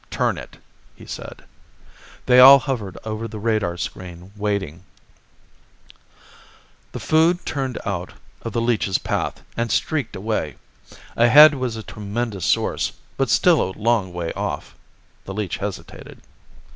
"Turn it," he said. They all hovered over the radar screen, waiting. The food turned out of the leech's path and streaked away. Ahead was a tremendous source, but still a long way off. The leech hesitated.